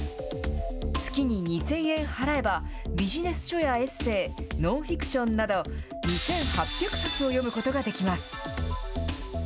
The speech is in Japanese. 月に２０００円払えば、ビジネス書やエッセー、ノンフィクションなど、２８００冊を読むことができます。